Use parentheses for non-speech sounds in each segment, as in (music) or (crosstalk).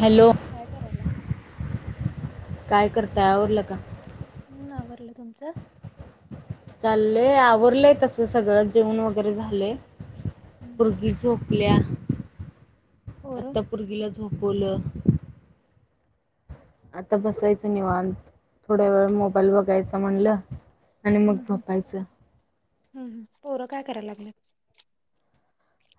Hello काय करायला? काय करताय, आवरलं का? हम् नावरलं तुमचं? चाललंय आवरलंय तस सगळं, जेवण वगैरे झालंय. हम् गी झोपल्या, पोरं आता पुर्गीला झोपवलं. आता बसायचं निवांत, थोड्या वेळ मोबाईल बघायचा म्हणलं आणि मग झोपायचं. हम् हं पोरं काय करायला लागलेत?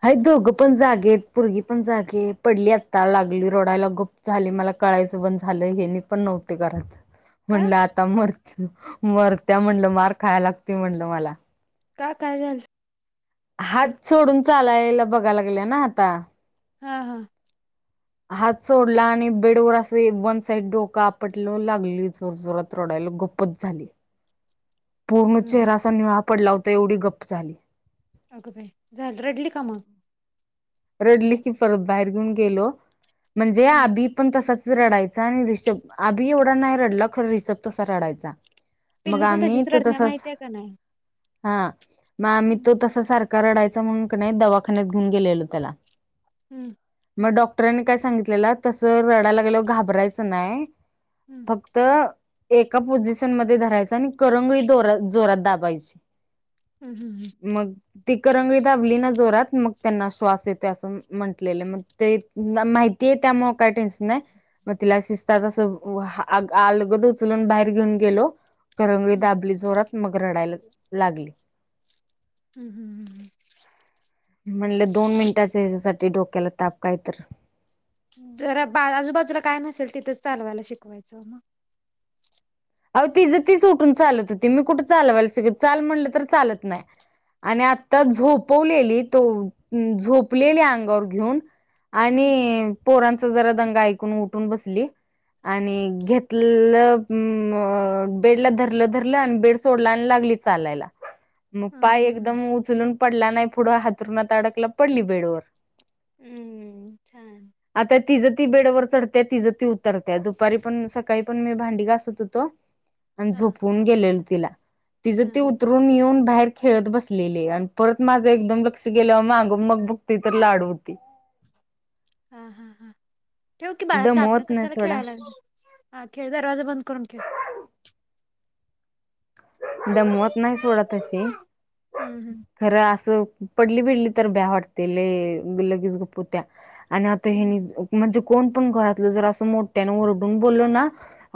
आहे दोघं पण जागेयेत, पोरगी पण जागी, पडली आत्ता लागली रडायला गप झाली मला कळायचं बंद झालं, हे नी पण नव्हते घरात. (inaudible) म्हणलं आता मरत मरत्या म्हणलं मार खायला लागती म्हणलं मला. का काय झालं? हात सोडून चालायला बघायला गेले ना आता लागले ना आता. हा हा हात सोडला आणि बेडवर असं वन साईड डोक आपटलं, लागली जोर जोरात रोडायला गप पच झाली. (inaudible) पूर्ण हम्म चेहरा आसा निळा पडला होता, एवढी गप्प झाली. अग बाई, झालं रडली का मग? रडली की परत बाहेर घेऊन गेलो म्हणजे हम्म आधी पण तसाच रडायचा आणि रिषभ आभी एवढा नाही रडला खरं रिषभ तसा रडायचा. मग पिल्लू पण आम्ही तशीच तो रडत्या तसाच माहिती आहे का नाही? हा मग आम्ही तो हम्म. तसा सारख रडायचा म्हणून की नाही दवाखान्यात घेऊन गेलेलो त्याला. हम्म मग डॉक्टरांनी काय सांगितलेलं तस रडायला लागेल घाबरायचं नाही हम्म फक्त एका पोझिशन मध्ये धरायच आणि करंगळीोर (unintelligible) जोरात दाबायची हम् हम हम्. मग ती करंगडी दाबली ना जोरात मग त्यांना श्वास अस म्हटलेले मग ते माहिती आहे त्यामुळे काय टेन्शन नाही. मग तिला शिस्तात असं अलगद उचलून बाहेर घेऊन गेलो करंगळी हम्म दाबली जोरात मग रडायला लागली हम् हम् हम् हम. म्हणले दोन मिनिटाच्या ह्याच्यासाठी डोक्याला ताप कायतर जरा बाळा आजूबाजूला काय नसेल तिथंच चालवायला शिकवायचं मग अहो तिझं ती उठून चालत होती मी कुठं चालवायला चाल म्हणलं तर चालत नाही. आणि आत्ता झोपवलेली तो झोपलेली अंगावर घेऊन हम्म आणि पोरांचा जरा दंगा ऐकून उठून बसली आणि घेतलं अ बेड ला धरलं धरलं आणि बेड सोडला आणि लागली चालायला मग हम्म पाय हम्म एकदम उचलून पडला नाही पुढं हथरुणात अडकला पडली बेडवर हम्म छान. आता तिजं ती बेडवर चढत्या तिजं ती उतरत्या दुपारी पण सकाळी पण मी भांडी घासत होत आणि हा झोपून गेलेलो तिला तिचं हा ती हा उठून ून येऊन बाहेर खेळत बसलेली आणि परत माझं एकदम लक्ष गेलंवर मागं मग बघते तर लाडू होती. हा हा हा, ठेव की बाळा साहेबनं दमवत नाही कशाला सोडा खेळायला लागल हा खेळ दरवाजा बंद करून खेळ दमवत नाही सोडा तशी हम्म खरं असं पडली भिडली तर ब्या वाटते लगेच गप्पू त्या आणि आता हेनी हम्म म्हणजे कोण पण घरातलं जर असं मोठ्याने ओरडून बोललो ना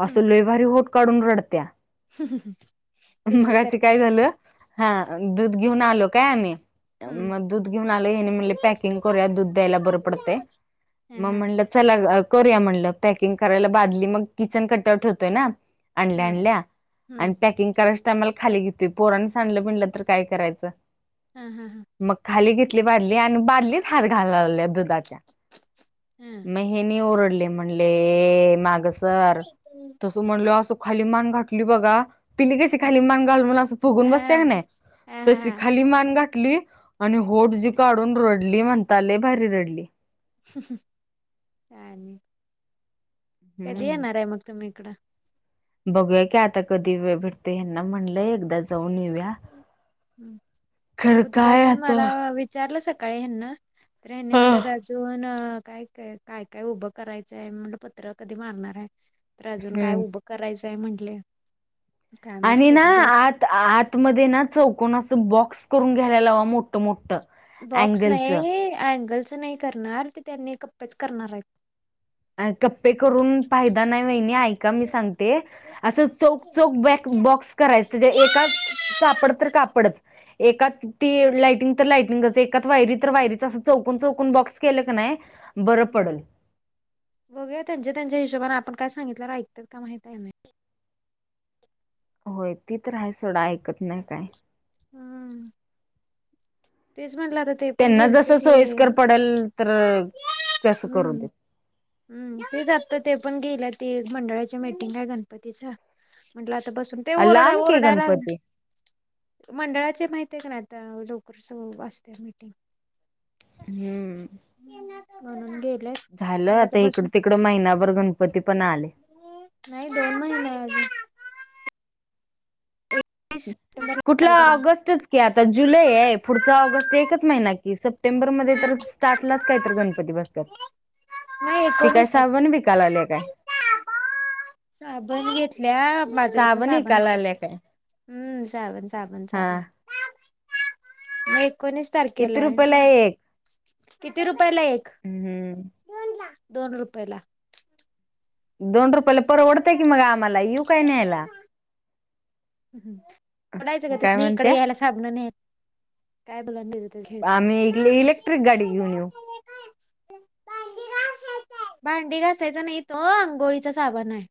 हम्म असं ल भारी होट काढून रडत्या (unintelligible) पिल्लू मगाशी काय सारखंच झालं हा दूध घेऊन आलो काय आम्ही हम्म मग दूध घेऊन आल म्हणले पॅकिंग करूया दूध द्यायला बरं पडते हा हा मग म्हणलं चला करूया म्हणलं पॅकिंग करायला बादली मग किचन कटआउट ठेवतोय ना आणल्या हा आणल्या आणि हम्म पॅकिंग करायच टाईमला खाली येतोय पोरांनी सांडलं बीडल तर काय करायचं हा हा हां मग खाली घेतली बादली आणि बादलीच हात घालला लागल्या दुधाच्या हम हे ओरडले म्हणले माग सरक म्हणल असं खाली मान घटली बघा पिली कशी खाली मांगाल म्हणून असं फुगून बसते का नाही हा हा तशी हा खाली मान गाठली आणि होट जी काढून रडली म्हणताले भारी रडली. हह काय आणि? कधी हम्म. येणार आहे मग तुम्ही इकडं? बघूया की आता कधी वेळ भेटतोय ह्यांना म्हणलंय एकदा जाऊन येऊया. खरं काय उद्घाटन आता मला विचारलं सकाळी ह्यांना तर ह्यानीं हा म्हणत्यात अजून काय काय काय काय उभं करायचंय म्हणलं पत्र कधी मारणार आहे? तर अजून काय हम्म. उभं करायचंय म्हंटले‌. आणि ना आत आतमध्ये ना चौकोन असं बॉक्स करून घ्यायला लावा मोठ मोठमोठं. बॉक्स नाही अँगलच नाही करणार ते त्यांनी कप्पेच करणार आहेत. अ कप्पे करून फायदा नाही वहिनी ऐक मी सांगते अस चौक चौक बॅक बॉक्स करायच त्याच्या एकात कापड तर कापडच. एकात ती लायटिंग तर लायटिंगच एकात वायरी तर वायरीच अस चौकून चौकून बॉक्स केलं क नाही बरं पडलं. बघुया त्यांच्या त्यांच्या हिशोबाने आपण काय सांगितल्यावर ऐकतात का माहित आहे नाही. होय ती तर आहे सोडा ऐकत नाही काय. हम तेच म्हटलं आता ते पण त्यांना गेलते जसं ते सोयीस्कर पडेल तर तसं करू हम्म. देत हम्म तेच आता ते पण गेलं ते मंडळाची मीटिंग आहे गणपतीच्या. म्हटलं आता बसून ते ओरडा लांब की ओरडायला गणपती लागलं. मंडळाचे माहिती आहे का ना आता लवकर सगळं असत मीटिंग. हम्म. म्हणून गेल्यात. झालं आता इकड तिकड महिनाभर गणपती पण आले. नाही दोन महिने अजून. वीस कुठला सप्टेंबरला आहे. ऑगस्टच की आता जुलै आहे पुढचा ऑगस्ट एकच महिना कि सप्टेंबर मध्ये तर च सातलाच काही तर हम्म गणपती बसतात नाही ती काय एकोणीस आहेत. साबण विकाय लागलीया काय? साबण घेत इथल्या बाजाराता न साबण विकायला आणल्यात आल्या काय हम्म साबण साबण चालू हा हाय. म- एकोणीस तारखेला किती हाय. रुपयाला एक किती रुपयाला एक. हम हम. दोन ला दोन रुपये ला. दोन रुपयाला परवडतय की मग आम्हाला येऊ काय न्यायला? परवडायच का काय तिथून इकडे म्हणत्या यायला साबण न्यायला. काय बघा तेच तेच खेळतया‌. आम्ही इलेक्ट्रिक गाडी घेऊन येऊ (unintelligible) भांडी घासायचा नाही तो आंघोळीच साबण हाय.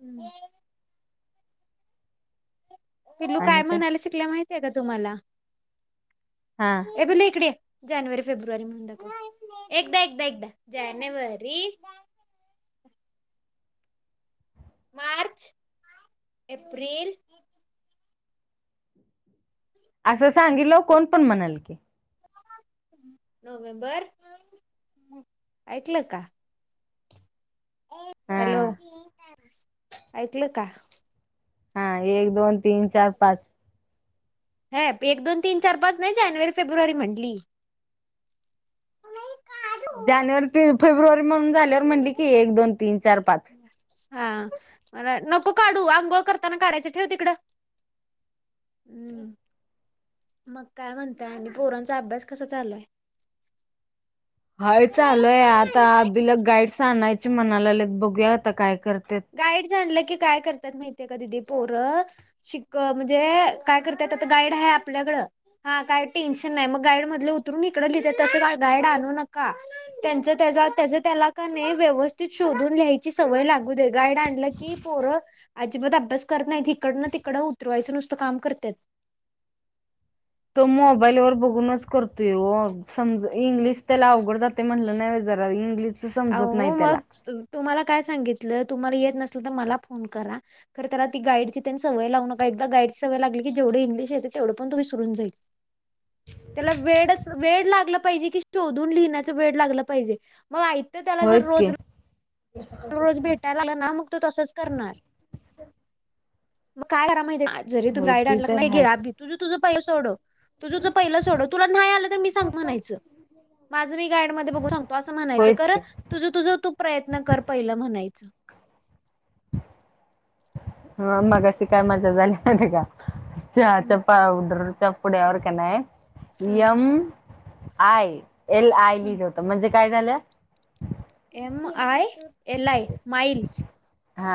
हम्म. पिलू काय म्हणायला शिकलाय माहितय का तुम्हाला हा हे पिल्लू इकडे ये. जानेवारी, फेब्रुवारी म्हणून दाखव एकदा एकदा एकदा जानेवारी मार्च, एप्रिल असं सांगितलंवर कोण पण म्हणलं की. नोव्हेंबर ऐकलं का? हा हॅलो ऐकल का? हा एक, दोन, तीन, चार, पाच ह एक दोन तीन चार पाच नाही जानेवारी, फेब्रुवारी म्हटली जानेवारी ते फेब्रुवारी म्हणून झाल्यावर म्हणली की एक दोन तीन चार पाच हा मला नको, काढू आंघोळ करताना काढायच ठेव तिकडं हम्म मग काय म्हणताय आणि पोरांचा अभ्यास कसा चालू हाय? हय चालूय आता अभिला गाईडस आणायची म्हणा लागल्यात बघूया आता काय करत्यात गाईड्स आणलं की काय करतात माहतीय का दिदी पोरं शिक म्हणजे काय करत्यात आता गाईड आहे आपल्याकडं हा काय टेन्शन नाही मग गाईड मधले उतरून हिकडं लिहित्यात तसं का गाईड आणू नका, त्यांच त्याचा त्याच त्याला का नाही व्यवस्थित शोधून ल्यायची सवय लागू दे गायड आणलं की पोरं. अजिबात अभ्यास करत नाहीत इकडं ना तिकडं उतरवायचं नुसतं काम करत्यात तो मोबाईल वर बघूनच करतोय हो समज इंग्लिश त्याला अवघड जाते म्हटलं नाही होय जरा इंग्लिशच समजत अहो नाही त्याला मग तुम्हाला काय सांगितलं तुम्हाला येत नसल तर मला फोन करा तर त्याला गाईडची त्यां सवय लाऊ नका एकदा का गाईडची सवय लागली की जेवढ इंग्लिश येतंय तेवढं पण तो विसरून जाईल. त्याला वेडच वेड लागला पाहिजे कि शोधून लिहिण्याच वेड लागला पाहिजे मग आयत त्याला जर होयच रोज की रोज भेटायला आला ना मग त तसच करणार मग काय करा माहिती काय जरी तु होय गाईड ती आणला की तर नाही, हायच. घे तुझ तुझ पहिले सोडव तुझं तुझं पहिलं सोडंव तुला नाही आलं तर मी सांगतो म्हणायचं. माझं मी गाईडमध्ये बघून सांगतो असं म्हणायचं होयच खर की तुझं तुझ तू प्रयत्न कर पहिलं म्हणायचं हा मगाशी काय मजा झाली माहितीये का? चहाच्या हम्म पावडरच्या पुड्यावर का नाही यम आय एल आय लिहिलं होतं म्हणजे काय झालं? M I L I mile. हा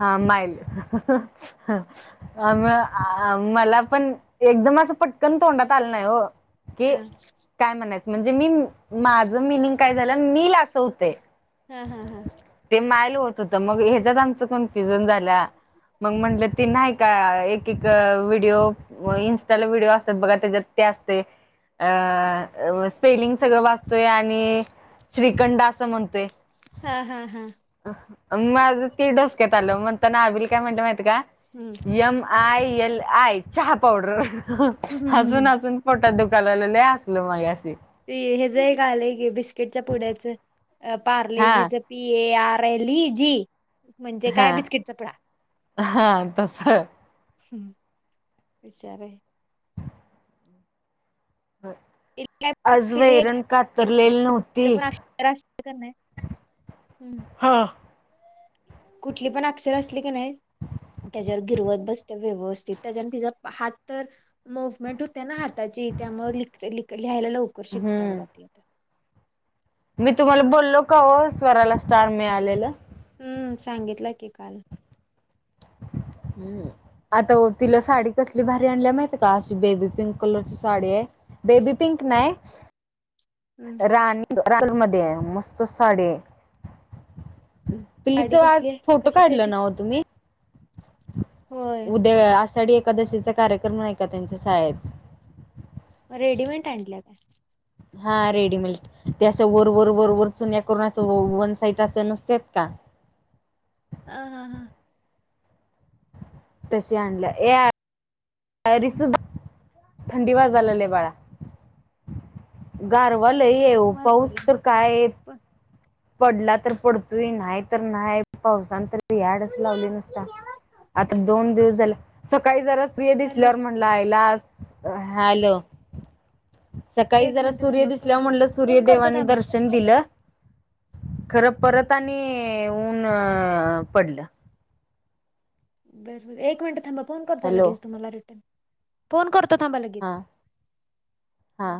हा माईल. अ म मला पण एकदम असं पटकन तोंडात आलं नाही हो की हा काय म्हणायचं म्हणजे मी माझं मिनिंग काय झालं मी ला असवते. हा हा हा... ते मायल होत होत मग ह्याच्यात आमच कन्फ्युजन झाला मग म्हंटलं ते नाही का एक एक व्हिडिओ इंस्टाला व्हिडिओ असतात बघा त्याच्यात ते असत अ स्पेलिंग सगळं वाचतोय आणि श्रीखंड असं म्हणतोय हा हा हा.. माझ ती डोसक्यात आलं म्हणताना नाबल काय म्हणलं माहित का हम्म यम आयएलआय चहा पावडर हम्म हम्म हम्म. हसून हसून पोटात दुखायला लागलं लय हसलो मगाशी ते हेज एक आलंय की बिस्किटच्या पुड्याचं हा पार्लेजीचं पीएआरएलईजी म्हणजे हा काय बिस्किटचापूडा. हा तस. हहम.. बिचारे आज वैरण कातरलेली कुठलं नव्हती पण अक्षर असलं का नाही हम्म. हाआ. कुठली पण अक्षर असली की न्हाई त्याच्यावर गिरवत बस्ते व्यवस्थित. त्याच्याने तिचा हात तर मुव्हमेंट होते्या ना हाताची त्यामुळे लीकते लीक लिहायला लवकर शिकत्या हम्म बघा ती. मी तुम्हाला बोललो काहो स्वराला स्टार मिळालेलं?. हं सांगितलं की काल. अं आता ओ तिला साडी कसली भारी त्यान्ला म्हायती का आज बेबीपिंक कलरची साडिए? बेबीपिंक नाय हम्म राणी रात मधेय मस्त साडीय. साडी पिलीचं कसली वाज आहे फोटो काढलं कशासाठी नावं तुम्ही?. होय उद्या आसाडी एकादशीचा कार्यक्रम न्हाई का त्यांचं साळेत. रेडीमेट आणल्या काय? हा, रेडीमेल्ट. ते असं वर, वर, वर, वर चुन्या करुन, असं वन साईट असं नसत्यात का? हा, हा, हा. तशी आणलं, ये (unintelligible) थंडी वाजालीया बाळा गार वल येवं पाऊस तर कायेत पण पडला तर पडतोय न्हाय त न्हाय पावसानं तर याडच लावलंय नुसता. आता दोन दिवस झाले, सकाळी जरास प्रिये हॅलो दिसल्यावर म्हणल, आयला आज हॅलो, सकाळी एक जरा मिनिटं सूर्य थांबा दिसल्या फोन म्हटलं करतो फोन करतो सूर्यदेवानी थांबा दर्शन दिलं. खरं परत आणि ऊन अ.. पडलं. बरं बर एक मिनिटं थांबा फोन करतो. हॅलो लगेच तुम्हाला रिटर्न फोन करतो थांबा हा लगेच, हा.